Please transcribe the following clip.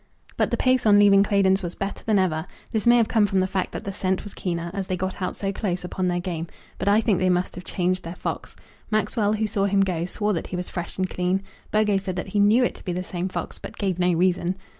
But the pace on leaving Claydon's was better than ever. This may have come from the fact that the scent was keener, as they got out so close upon their game. But I think they must have changed their fox. Maxwell, who saw him go, swore that he was fresh and clean. Burgo said that he knew it to be the same fox, but gave no reason.